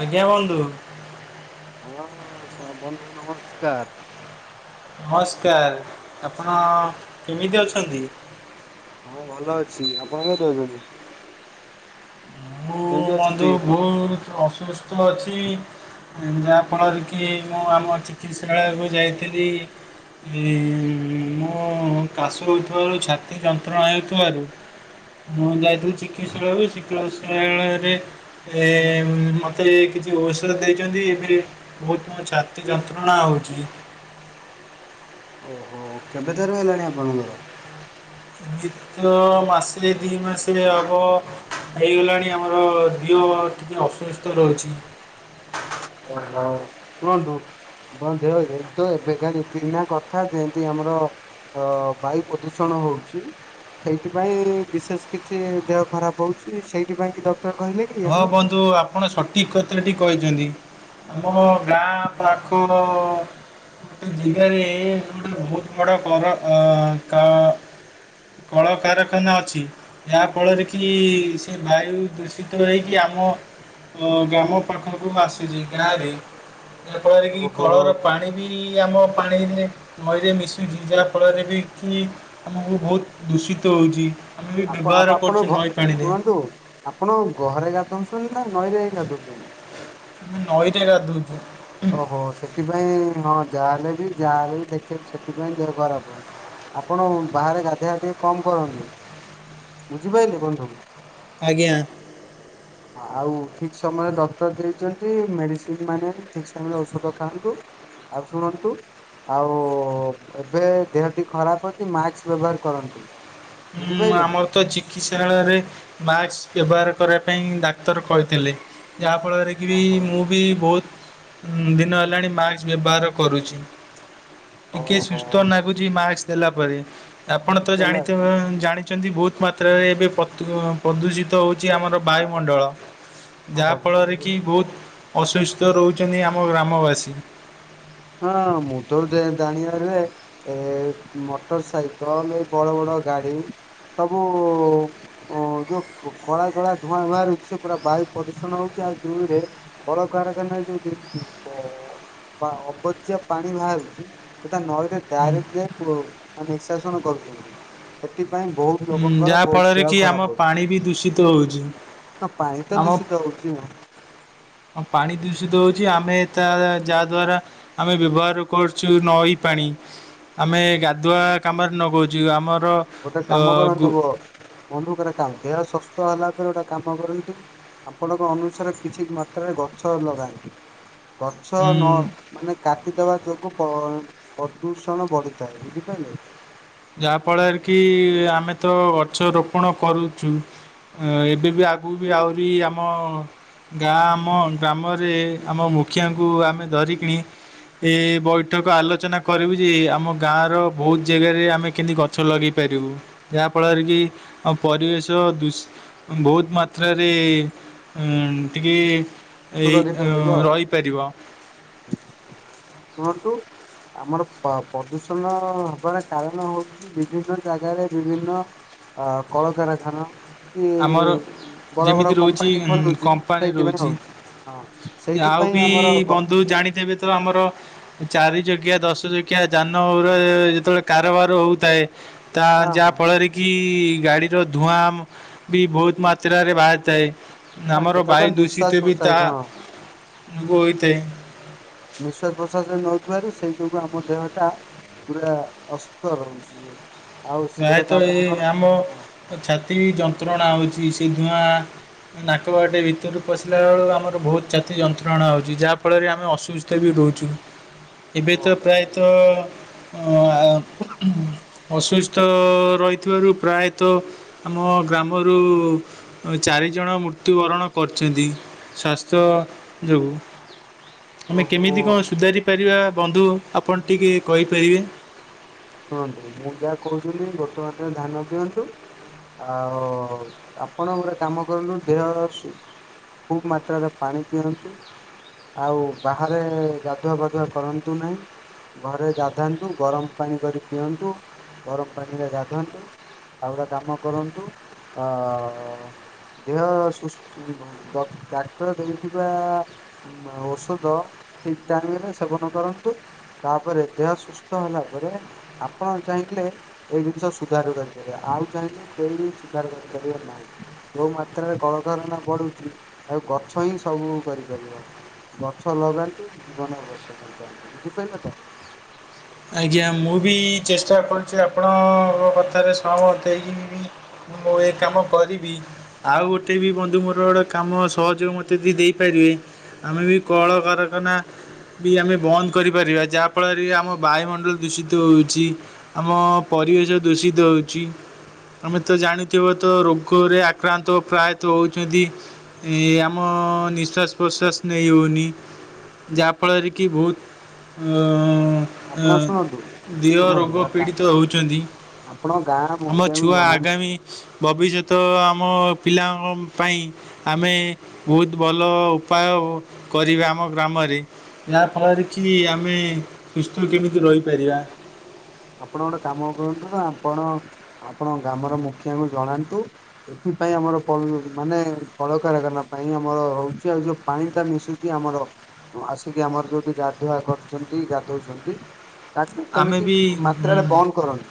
ଆଜ୍ଞା ବନ୍ଧୁ। ହଁ ହଁ ସ ବନ୍ଧୁ ନମସ୍କାର। ନମସ୍କାର ଆପଣ କେମିତି ଅଛନ୍ତି? ହଁ ଭଲ ଅଛି ଆପଣ କେମିତି ଅଛନ୍ତି? ମୁଁ କେମିତି ବନ୍ଧୁ ଅଛନ୍ତି? ଭୁଲ୍ ଅସୁସ୍ଥ ଅଛି ଯାହା ଫଳରେ କି ମୁଁ ଆମ ଚିକ୍ ଚିକସାଳୟକୁ ଯାଇଥିଲି। ଏଇ ମୁଁ କାଶ ହଉ ଥିବାରୁ ଛାତି ଯନ୍ତ୍ରଣା ହେଉଥିବାରୁ। ମୁଁ ଯାଇଥିଲୁ ଚିକିତ୍ସାଳୟରୁ ଚିକିତସାଳୟରେ ଏ ମତେ କିଛି ଔଷଧ ଦେଇଛନ୍ତି ଏବେ। ବହୁତ ମୋ ଛାତି ଯନ୍ତ୍ରଣା ହଉଛି। ଓହୋ କେବେ ଠାରୁ ହେଲାଣି ଆପଣଙ୍କର? ଦିତ ମାସେ ଦି ମାସେ ହବ। ହେଇଗଲାଣି ଆମର ଦିହ ଟିକେ ଅସୁସ୍ଥ ରହୁଛି। ଓ ହୋ କୁହନ୍ତୁ? ଆପଣଙ୍କ ଦେହ ଏତେ ଏବେକା ଦି ତିନ ଦିନ କଥା ଯେମିତି ଆମର ହଁ ବାୟୁ ପ୍ରଦୂଷଣ ହଉଛି। ସେଇଥିପାଇଁ ବିଶେଷ୍ କିଛି ଦେହ ଖରାପ ହୋଉଛି ସେଇଥି ପାଇଁ କି ଡକ୍ଟର୍ କହିଲେ କି ହଁ ଆପଣଙ୍କୁ? ବନ୍ଧୁ ଆ ପଣ ସଠିକ୍ କଥା ଟା ଠିକ୍ କହିଛନ୍ତି ଆମ ଗାଁ ପାଖ। ଗୋଟେ ଜିଲ୍ଲାରେ ଗୋଟେ ବୋହୁତ୍ ବଡ କର ଅ କ କଳକାରଖାନା ଅଛି ଯାହାଫଳରେ କି ସେ ବାୟୁଦୁ ଶୀତ ହେଇକି ଆମ ଗ୍ରାମ ପାଖକୁ ଆସିଚି ଗାଁରେ। ଯା ଫଳରେ କି ଓହୋ। କଳର ପାଣି ବି ଆମ ପାଣିରେ ନଈରେ ମିଶୁଚି ଯାହା ଫଳରେ ବି କି ଆମକୁ ବୋହୁତ୍ ଦୂଷିତ ହୋଉଛି ଆମେ ବି ଆପ ବ୍ୟବହାର ଆପଣ କରୁଛୁ ଘ ନଈ ପାଣିରେ। ଶୁଣନ୍ତୁ ଆପଣ ଘରେ ଗାଧଉଛନ୍ତି ନା ନଈରେ ଯାଇ ଗାଧଉଛନ୍ତି? ମୁଁ ନଇ ରେ ଗାଧଉଛି। ଓହୋ ସେଥିପାଇଁ ହଁ ଯାହାହେଲେ ବି ଯାହାହଲେ ବି ଦେଖେଇ ସେଥିପାଇଁ ଦେହ ଖରାପ୍ ହୋଉଚି। ଆପଣ ବାହାରେ ଗାଧେଇବା ଟିକେ କମ୍ କରନ୍ତୁ ବୁଝିପାଇଲେ ବନ୍ଧୁ? ଆଜ୍ଞା। ହଁ ଆଉ ଠିକ୍ ସମୟରେ ଡକ୍ଟର୍ ଦେଇଚନ୍ତି ମେଡିସିନ୍ ମାନେ ଠିକ୍ ସମୟ ରେ ଔଷଧ ଖାଆନ୍ତୁ ଆଉ ଶୁଣନ୍ତୁ। ଆଉ ଏବେ ଦେହ ଟି ଖରାପ ଅଛି ମାସ୍କ ବ୍ୟବହାର କରନ୍ତୁ। ହୁଁ ବୁଝିପାରିଲେ। ଆମର ତ ଚି ଚିକିତ୍ସାଳୟରେ ମାସ୍କ୍ ବ୍ୟବହାର କରିବା ପାଇଁ ଡାକ୍ତର କହିଥିଲେ ଯାହାଫଳରେ କିବି ଓହୋ ମୁଁ ବି ବଞହୁତ୍ ଦିନ ହେଲାଣି ମାସ୍କ୍ ବ୍ୟବହାର କରୁଛି। ଟିକେ ଓହୋ ସୁସ୍ଥ ନାଗୁଚି ମାସ୍କ ଦେଲା ପରେ, ଆପଣ ତ ଜାଣିଥିବେ ଜାଣିଚନ୍ତି ବୋହୁତ୍ ମାତ୍ରାରେ ଏବେ ପ୍ରତୁ ପ୍ରଦୂଷି ତ ହଉଚି ଆମର ବୁଝିପାରିଲ। ବାୟୁମଣ୍ଡଳ ଯାହାଫଳରେ କି ବୋହୁତ ଅସୁସ୍ଥ ରହୁଚନ୍ତି ଆମ ଗ୍ରାମବାସୀ। ହଁ ମୁଁ ତ ଜେ ଜାଣିବାରେ ଏ ମଟର୍ ସାଇକଲ୍ ଏ ବଡ ବଡ ଗାଡି ସବୁ ଓ ଯୋଉ କଳା କଳା ଧୂଆଁ ବାହାରୁଛି ସେ ପୁରା ବାୟୁ ପ୍ରଦୂଷଣ ହୋଉଛି ଆଉ ଦୁଇରେ କଳକାରଖାନା ରେ ଯୋଉ ଦେଖିବ ବା ଅ ପଚା ପାଣି ବାହାରୁଚି ସେ ତା ନଈରେ ଡାଇରେକ୍ଟ ଯାଇଁ ପ ମାନେ ନିକ୍ସାସନ କରୁଚନ୍ତି। ସେଥିପାଇଁ ବୋହୁ ହୁଁ ଯାହା ଫଳରେ କି ଆମ ପାଣି ବି ଦୂଷିତ ହୋଉଛି। ହଁ ପାଣି ତ ଦୂଷିତ ହୋଉଛି ଆଉ। ହଁ ପାଣି ଦୂଷିତ ହୋଉଚି ଆମେ ତା ଯାହା ଦ୍ଵାରା ଆମେ ବ୍ୟବହାର କରୁଚୁ ନଈ ପାଣି। ଆମେ ଗାଧୁଆ କାମରେ ନଗୋଉଚୁ ଆମର ଗୋଟେ ଅ କାମ କରନ୍ତୁ ଗୁ ବ ବନ୍ଧୁ କରା କାମ ଦେହ ସୁସ୍ଥ ହେଲା ପରେ ଗୋଟେ କାମ କରନ୍ତୁ। ଆପଣଙ୍କ ଅନୁସାରେ କିଛି ମାତ୍ରାରେ ଗଛ ଲଗାନ୍ତୁ, ଗଛ ନ ଉଁ ମାନେ କାଟିଦବା ଯୋଗୁ ପ ପଦୂଷଣ ବଢିଥାଏ ବୁଝିପାଇଲେ। ଯାହା ଫଳରେ କି ଆମେ ତ ଗଛ ରୋପଣ କରୁଚୁ। ଏବେ ବି ଆଗକୁ ବି ଆହୁରି ଆମ ଗାଁ ଆମ ଗ୍ରାମରେ ଆମ ମୁଖିଆଙ୍କୁ ଆମେ ଧରିକିଣି ଏ ବୈଠକ ଆଲୋଚନା କରିବୁ ଯେ ଆମ ଗାଁର ବୋହୁତ୍ ଜାଗାରେ ଆମ୍ ଆମେ କେମିତି ଗଛ ଲଗେଇ ପାରିବୁ ଯାହାଫଳରେ କି ଆମ ପରିବେଶ ଦୂ ବୋହୁତ୍ ମାତ୍ରାରେ ଟିକେ ଏଇ ସୁରକ୍ଷିତ ରହିବ ଆଉ ରହିପାରିବ। ଶୁଣନ୍ତୁ ଆମର ପ୍ରଦୂଷଣ ହବାର କାରଣ ହଉଚି ବିଭିନ୍ନ ଜାଗାରେ ବିଭିନ୍ନ ଅ କଳକାରଖାନା ଆମର ଏଇ ବଡ଼ ଯେମିତି ବଡ଼ ରହୁଛି କମ୍ପାନୀ ଖୋଲୁଛି କମ୍ପାନୀ ସେଇଥିପାଇଁ ରହୁଛି ହଉଛି। ହଁ ଆଉ ସେଇଥିପାଇଁ ବି ଆମର ଗ ବନ୍ଧୁ ଜାଣିଥିବେ ତ ଆମର ଚାରି ଚକିଆ ଦଶ ଚକିଆ ଯାନରେ ଯେତେବେଳେ କାରବାର ହଉଥାଏ ତା ହଁ ହଁ। ଯାହା ଫଳରେ କି ଗାଡ଼ିର ଧୂଆଁ ବି ବହୁତ ମାତ୍ରାରେ ବାହାରିଥାଏ। ହଁ ଆମର ସେଟା ତ ବାୟୁ ନିଶ୍ଵାସ ଦୂଷିତ ବି ପ୍ରଶ୍ଵାସ ତାହା ହଁ ସବୁ ହୋଇଥାଏ। ନିଶ୍ୱାସ ପ୍ରଶ୍ୱାସ ନେଉଥିବାରୁ ସେଇ ଯୋଗୁଁ ଆମ ଦେହଟା ପୁରା ଅସୁସ୍ଥ ରହୁଛି ଆଉ ସେ ଗୋଟେ କାମ କର ହଁ ତ ଛାତି ବି ଯନ୍ତ୍ରଣା ହଉଛି ସେ ଧୂଆଁ ନାକବାଟେ ଭିତରୁକୁ ପଶିଲା ବେଳକୁ ଆମର ବହୁତ ଛାତି ଯନ୍ତ୍ରଣା ହଉଛି ଯାହା ଫଳରେ ଆମେ ଅସୁସ୍ଥ ତେ ବି ଦଉଚୁ ଏବେ ତ ଓହୋ। ପ୍ରାୟତଃ ଅ ଆ ଅସୁ ସ୍ଥ ରହିଥିବାରୁ ପ୍ରାୟତଃ ଆମ ଗ୍ରାମରୁ ଚାରିଜଣ ମୃତ୍ୟୁବରଣ କରିଛନ୍ତି ସ୍ୱାସ୍ଥ୍ୟ ଯୋଗୁଁ। ଆମେ ଓହୋ କେମିତି କଣ ସୁଧାରି ପାରିବା ବନ୍ଧୁ ଆପଣ ଟିକେ କହିପାରିବେ? ଶୁଣନ୍ତୁ ମୁଁ ଯାହା କହୁଥିଲି ଗୋଟେ ମାତ୍ର ଧ୍ୟାନ ଦିଅନ୍ତୁ। ଆଉ ଆପଣ ଗୋଟେ କାମ କରନ୍ତୁ ଦେହର ସୁ ଖୁବ୍ ମାତ୍ରାରେ ପାଣି ପିଅନ୍ତୁ। ଆଉ ବାହାରେ ଗାଧୁଆ ପାଧୁଆ କରନ୍ତୁ ନାହିଁ। ଘରେ ଗାଧାନ୍ତୁ ଗରମ ପାଣି କରି ପିଅନ୍ତୁ ଗରମ ପାଣିରେ ଗାଧାନ୍ତୁ। ଆଉ ଗୋଟେ କାମ କରନ୍ତୁ ଅ ଦେହ ସୁସ୍ଥ ଡକ୍ ଡାକ୍ତର ଦେଇଥିବା ଔଷଧ ଠିକ୍ ଟାଇମ୍ ରେ ସେବନ କରନ୍ତୁ ତାପରେ ଦେହ ସୁସ୍ଥ ହେଲା ପରେ ଆପଣ ଚାହିଁଥିଲେ ଏଇ ଜିନିଷ ସୁଧାର କରିପାରିବା ଆଉ ଚାହିଁଲେ କେହି ବି ସୁଧାର କରିପାରିବେ ନାହିଁ। ଯୋଉ ମାତ୍ରାରେ କଳକାରଖାନା ବଢୁଛି ଆଉ ଗଛ ହିଁ ସବୁ କରିପାରିବ। ଗଛ ଲଗାନ୍ତୁ ଜୀବନ ଗଛ ବଞ୍ଚାନ୍ତୁ ବୁଝିପାରିଲେ ତ? ଆଜ୍ଞା ମୁଁ ବି ଚେଷ୍ଟା କରୁଛି ଆପଣଙ୍କ କଥାରେ ସହମତ ହେଇକି ବି ମୁଁ ଏ କାମ କରିବି। ଆଉ ଗୋଟେ ବି ବନ୍ଧୁ ମୋର ଗୋଟେ କାମ ସହଯୋଗ ମୋତେ ବି ଦେଇ ଦେଇପାରିବେ। ଆମେ ବି କଳକାରଖାନା ବି ଆମେ ବନ୍ଦ କରିପାରିବା ଯାହା ଫଳରେ ବି ଆମ ବାୟୁମଣ୍ଡଳ ଦୂଷିତ ହେଉଛି ଆମ ପରିବେଶ ଦୂଷିତ ହେଉଛି। ତମେ ତ ଜାଣିଥିବ ତ ରୋଗରେ ଆକ୍ରାନ୍ତ ପ୍ରାୟତଃ ହଉଛନ୍ତି। ଏ ଆମ ନିଶ୍ୱାସ ପ୍ରଶ୍ୱାସ ନେଇ ହେଉନି ଯାହାଫଳରେ କି ବହୁତ୍ ଅ ଆପଣ ଅ ଶୁଣନ୍ତୁ ଦେହ ଶୁଣନ୍ତୁ ରୋଗ ଗୋଟା କା ପୀଡ଼ିତ ହଉଛନ୍ତି। ଆପଣ ଙ୍କ ଗାଁର ମୁଖିଆଙ୍କୁ ଜଣା ଆଗାମୀ ଭବିଷ୍ୟତ ଆମ ପିଲାଙ୍କ ପାଇଁ ଆମେ ବହୁତ ଭଲ ଉପାୟ କରିବା ଆମ ଗ୍ରାମରେ ଯାହାଫଳରେ କି ଆମେ ସୁସ୍ଥ କେମିତି ରହିପାରିବା? ଆପଣ ଗୋଟେ କାମ କରନ୍ତୁ ନା ଆପଣ ଆପଣଙ୍କ ଗ୍ରାମର ମୁଖିଆଙ୍କୁ ଜଣାନ୍ତୁ। ଏଥିପାଇଁ ଆମର ପଲ୍ ମାନେ କଳକାରଖାନା ପାଇଁ ଆମର ହଉଛି ଆଉ ଯୋଉ ପାଣିଟା ମିଶୁଛି ଆମର ଆସିକି ଆମର ଯୋଉଠି ଗାଧୁଆ କରୁଛନ୍ତି ଗାଧଉଛନ୍ତି ତାକୁ କେମିତି ହୁଁ ମାତ୍ରାରେ ବନ୍ଦ କରନ୍ତୁ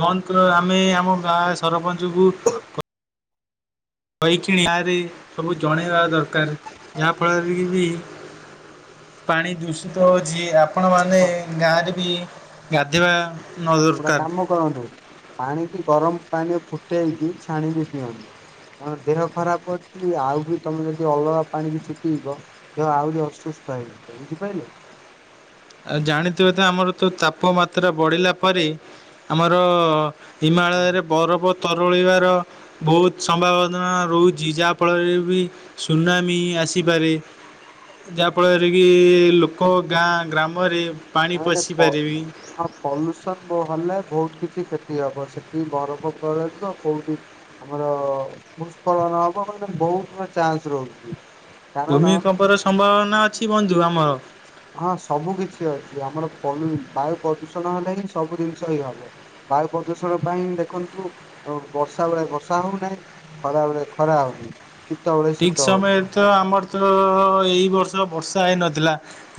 ବନ୍ଦ ଆମେ ଆମ ଗାଁ ସରପଞ୍ଚକୁ ହଁ କହିକିଣିଆରେ ସବୁ ଜଣେଇବା ଦରକାର ଯାହାଫଳରେ କିବି ପାଣି ଦୂଷିତ ହଉଛି ଆପଣ ମାନେ ହଁ ଗାଁରେ ବି ଗାଧଇବା- - ଗୋଟେ କାମ କରନ୍ତୁ ପାଣିକି ଗରମ ପାଣିରେ ଫୁଟେଇକି ଛାଣିକି ପିଅନ୍ତୁ। କଣ ଦେହ ଖରାପ ଅଛି ଆଉ ବି ତମେ ଯଦି ଅଲଗା ପାଣି ବି କିଛି ପିଇବ। ଦେହ ଆହୁରି ଅସୁସ୍ଥ ହେଇଯିବ ବୁଝିପାରିଲେ। ଜାଣିଥିବେ ତ ଆମର ତ ତାପମାତ୍ରା ବଢିଲା ପରେ ଆମର - - ହଁ। ହିମାଳୟରେ ବରଫ ତରଳିବାର ବହୁତ ସମ୍ଭାବଦନା ରହୁଛି ଯାହାଫଳରେ ବି ସୁନାମୀ ଆସିପାରେ ଯାହାଫଳରେ କି ଲୋକ ଗାଁ ଗ୍ରାମ ମରି [unintelligible] ପଲୁସନ ହେଲେ ବହୁତ କିଛି କ୍ଷତି ହବ ସେଠି ବରଫ ତରଳିବ କୋଉଠି ଆମର ଭୁସ୍ଖଳନ ହବ ମାନ ବହୁତ ଚାନ୍ସ ରହୁଛି। କାରଣ ଭୂମିିକମ୍ପର ସମ୍ଭାବନା ଅଛି ବନ୍ଧୁ ଆମର। ହଁ ସବୁ କିଛି ଅଛି ଆମର ପଲ ବାୟୁ ପ୍ରଦୂଷଣ ହେଲେ ହିଁ ସବୁ ଜିନିଷ ହିଁ ହବ। ବାୟୁ ପ୍ରଦୂଷଣ ପାଇଁ ଦେଖନ୍ତୁ ବର୍ଷା ବଳେ ବର୍ଷା ହଉନାହିଁ। ଖରାବେଳେ ଖରା ହଉନି। ଶୀତ ବେଳେ ଠିକ୍ ଶୀତ ସମୟରେ ହଉନି ତ ଆମର ତ ଏଇ ବର୍ଷ ବର୍ଷା ହେଇନଥିଲା।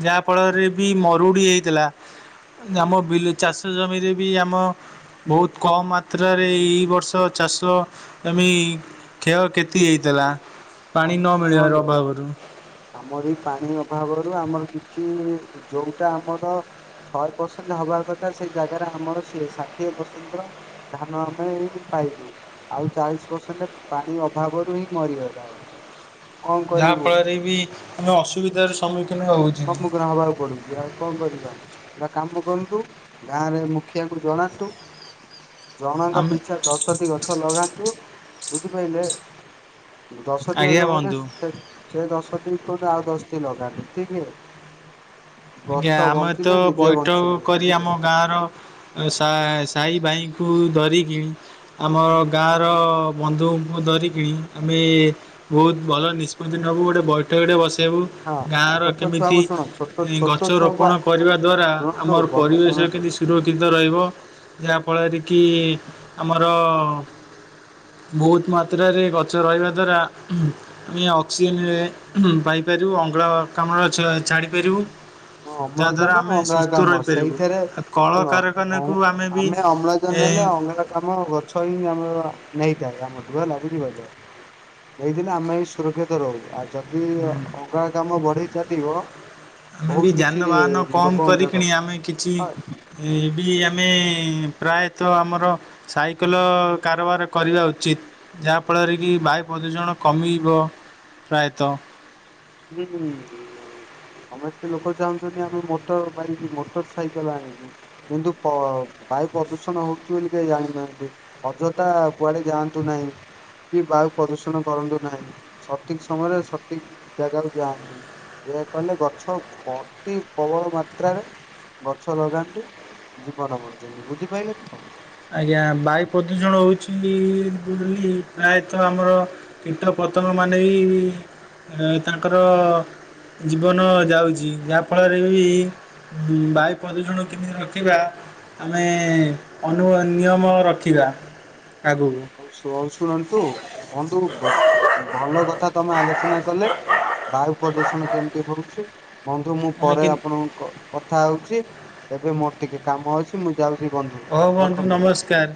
ଯାହା ଫଳରେ ବି ମରୁଡି ହେଇଥିଲା। ଆମ ବିଲ ଚାଷ ଜମିରେ ବି ଆମ ବହୁତ କମ୍ ମାତ୍ରାରେ ଏଇ ବର୍ଷ ଚାଷ ଏମି କ୍ଷୟ କ୍ଷତି ହେଇଥିଲା ଆମ ପାଣି ନ ମିଳିବାରୁ ଶୁଣନ୍ତୁ ଅଭାବରୁ। ଆମର ଏଇ ପାଣି ଅଭାବରୁ ଆମର କିଛି ଯୋଉଟା ଆମର ଶହେ ପରସେଣ୍ଟ ହବା କଥା ସେ ଜାଗାରେ ଆମର ସିଏ ଷାଠିଏ ପରସେଣ୍ଟର ଧାନ ଆମେ ଏଇି ପାଇବୁ। ଆଉ ଚାଳିଶ ପରସେଣ୍ଟ ପାଣି ଅଭାବରୁ ହିଁ ମରିଗଲା। କଣ ଯାହା କରିବୁ ଫଳରେ ବି ଆମେ ଅସୁବିଧାର ସମ୍ମୁଖୀନ ହଉଛୁ। ସମ୍ମୁଖୀନ ହବାକୁ ପଡୁଛି ଆଉ, କଣ କରିବା, କାମ କରନ୍ତୁ ଗାଁରେ ମୁଖିଆଙ୍କୁ ଜଣାନ୍ତୁ। ଜଣଙ୍କ ଆମେ ପିଛା ଦଶଟି ଗଛ ଲଗାନ୍ତୁ ବୁଝିପାରିଲେ। ଆଜ୍ଞା ବନ୍ଧୁ। [unintelligible] ଠିକ ହେ। ଆଜ୍ଞା ଆମେ ତ ବୈଠକ କରି ବୁଝିଲେ ଆମ ଗାଁର ସା ସାହି ଭାଇଙ୍କୁ ଧରିକି। ଆମର ଗାଁର ବନ୍ଧୁଙ୍କୁ ଧରିକିଣି ଆମେ ବହୁତ ଭଲ ନିଷ୍ପତ୍ତି ନବୁ ଗୋଟେ ବୈଠକଟେ ବସେଇବୁ ହଁ ଗାଁର ଛୋଟ ଛୁଆଙ୍କୁ କେମିତି- - ଶୁଣ ଛୋଟ ଏଇ ଛୋଟ ଛୁଆଙ୍କୁ ଆ ଗଛରୋପଣ କରିବା ଦ୍ୱାରା ଶୁଣନ୍ତୁ ଆମର ବନ୍ଧୁ ପରିବେଶ ଶୁଣନ୍ତୁ କେମିତି ସୁରକ୍ଷି କ୍ଷିତ ରହିବ ଯାହାଫଳରେ କି ଆମର ବହୁତ ମାତ୍ରାରେ ଗଛ ରହିବା ଦ୍ୱାରା, ଅକ୍ସିଜେନରେ ପାଇପାରିବୁ ଅଙ୍ଗଳକାମ୍ଳ ଛାଡ଼ିପାରିବୁ। ହଁ ଯାହାଦ୍ୱାରା ଅମ୍ଳଜାନ ଆମେ ସୁସ୍ଥ ଅଙ୍ଗାରକାମ୍ଳ ରହିପାରିବୁ ସେଇଥିରେ ଆଉ ଶୁଣ କଳକାରଖାନାକୁ ବି ଆମେ ଅମ୍ଳଜାନ ଏ ନେଲେ ଅଙ୍ଗାର ଆମର ଗଛ ହିଁ ଆମର ନେଇଥାଏ ଆମଠୁ ହେଲା ବୁଝିପାରିଲ। ନେଇଥିଲେ ଆମେ ବି ସୁରକ୍ଷିତ ରହୁ ଆଉ ଯଦି ଅଙ୍ଗାରକାମ୍ଳ ବଢେଇ ଚାଲିବ ଆମେ ବହୁତ ବି କିଛି ଯାନବାହାନ କମ୍ ଲୋକଙ୍କ ଦେହ କରିକିଣି ଆମେ କିଛି ଖରାପ ଏ ବି ଆମେ ପ୍ରାୟତଃ ଆମର ସାଇକେଲ କାରବାର କରିବା ଉଚିତ। ଯାହାଫଳରେ କି ବାୟୁ ପ୍ରଦୂଷଣ କମିବ ପ୍ରାୟତଃ। ହୁଁ ହୁଁ। ସମସ୍ତେ ଲୋକ ଚାହୁଁଛନ୍ତି ଆମେ ମୋଟର ବାଇକ୍ ମୋଟର ସାଇକେଲ ଆଣିବୁ। କିନ୍ତୁ ପ ବାୟୁ ପ୍ରଦୂଷଣ ହଉଛି ବୋଲି କେହି ଜାଣୁନାହାନ୍ତି। ଅଯୋଥା କୁଆଡେ ଯାଆନ୍ତୁ ନାହିଁ। କି ବାୟୁ ପ୍ରଦୂଷଣ କରନ୍ତୁ ନାହିଁ। ସଠିକ ସମୟରେ ସଠିକ ଜାଗାକୁ ଯାଆନ୍ତୁ। ଏହା କଲେ ଗଛ ଅତି ପ୍ରବଳ ମାତ୍ରାରେ ଗଛ ଲଗାନ୍ତୁ। ଜୀବନ ବଞ୍ଚୁନି ବୁଝିପାଇଲେ ତ। ଆଜ୍ଞା ବାୟୁ ପ୍ରଦୂଷଣ ହେଉଛି ପ୍ରାୟତଃ ଆମର କୀଟ ପତଙ୍ଗ ମାନେ ବି ତାଙ୍କର ଜୀବନ ଯାଉଛି ଯାହା ଫଳରେ ବି ବାୟୁ ପ୍ରଦୂଷଣ କିମିତି ରଖିବା ଆମେ ଅନୁବା ନିୟମ ରଖିବା ଆଗକୁ। [unintelligible] ଭଲ କଥା ତମେ ଆଲୋଚନା କଲେ ବାୟୁ ପ୍ରଦୂଷଣ କେମିତି ହଉଛି? ବନ୍ଧୁ ମୁଁ ଆମେ ପରେ କେମିତି ଆପଣଙ୍କୁ କ କଥା ହଉଛି ଏବେ ମୋର ଟିକେ କାମ ଅଛି। ମୁଁ ଯାଉଛି ବନ୍ଧୁ ହଉ ବନ୍ଧୁ ରଖନ୍ତୁ ନମସ୍କାର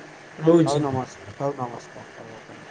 ରହୁଛି। ହଉ ନମସ୍କ ହଉ ନମସ୍କାର ହଉ ରଖନ୍ତୁ।